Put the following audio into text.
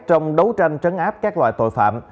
trong đấu tranh trấn áp các loại tội phạm